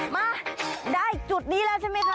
มาได้จุดนี้แล้วใช่ไหมคะ